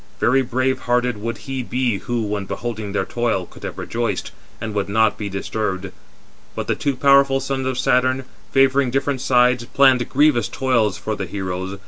Very brave hearted would he be who, when beholding their toil, could have rejoiced, and would not be disturbed. But the two powerful sons of Saturn, favouring different sides, planned grievous toils for the heroes.